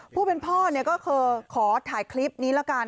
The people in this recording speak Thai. ผู้เป็นพ่อเนี่ยก็คือขอถ่ายคลิปนี้ละกัน